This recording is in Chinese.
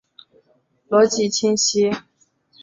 逻辑清晰！